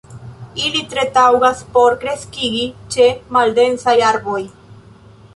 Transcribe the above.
Ili tre taŭgas por kreskigi ĉe maldensaj arboj.